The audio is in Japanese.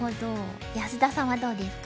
安田さんはどうですか？